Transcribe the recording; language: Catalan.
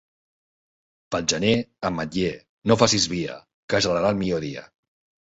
Pel gener, ametller, no facis via, que gelarà el millor dia.